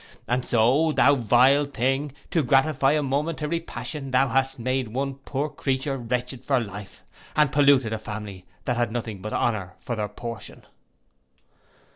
And so, thou vile thing, to gratify a momentary passion, thou hast made one poor creature wretched for life, and polluted a family that had nothing but honour for their portion.